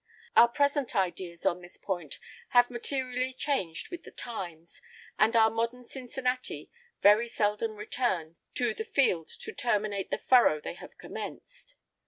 [I 9] Our present ideas on this point have materially changed with the times, and our modern Cincinnati very seldom return to the field to terminate the furrow they have commenced.